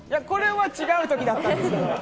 これは違うときだったんですよ。